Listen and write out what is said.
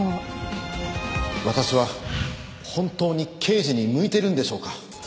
私は本当に刑事に向いているんでしょうか？